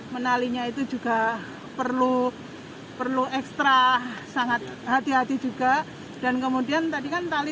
menalinya itu juga perlu perlu ekstra sangat hati hati juga dan kemudian tadi kan tali